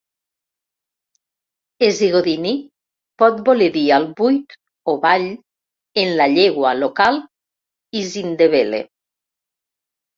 "Esigodini" pot voler dir "al buit" o "vall" en la llegua local IsiNdebele.